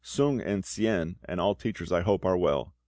Sung and Tsien, and all teachers I hope are well.